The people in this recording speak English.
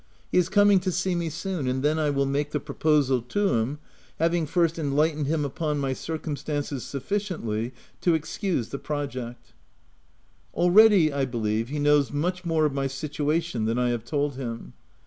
He is coming to see me soon, and then I will make the proposal to him, having first enlightened him upon my circumstances sufficiently to ex cuse the project. Already, I believe, he knows much more of my situation than I have told him.